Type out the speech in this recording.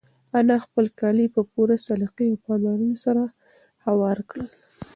انا خپل کالي په پوره سلیقې او پاملرنې سره هوار کړل.